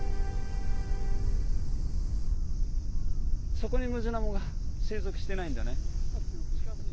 そこにムジナモが生息してないんだね。